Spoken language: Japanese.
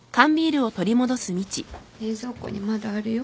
冷蔵庫にまだあるよ。